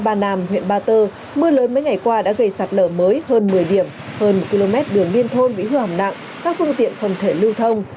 tại nam huyện ba tơ mưa lớn mấy ngày qua đã gây sạt lở mới hơn một mươi điểm hơn một km đường liên thôn bị hư hỏng nặng các phương tiện không thể lưu thông